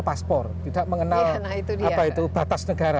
paspor tidak mengenal apa itu batas negara